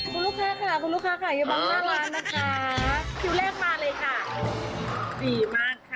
คุณลูกค้าค่ะคุณลูกค้าค่ะอยู่บังหน้าร้านนะคะคิวแรกมาเลยค่ะดีมากค่ะ